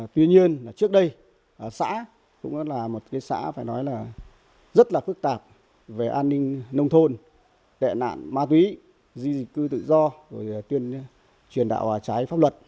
tuy nhiên trước đây xã cũng là một xã rất phức tạp về an ninh nông thôn tệ nạn ma túy di dịch cư tự do tuyên truyền đạo trái pháp luật